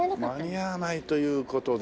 間に合わないという事でね。